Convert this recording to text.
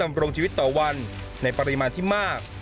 ดำรงชีวิตต่อวันในปริมาณที่มาก